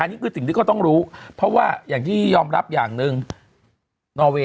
อันนี้คือต้องลุวเพราะว่าอย่างที่ยอมรับอย่างนึงนอเว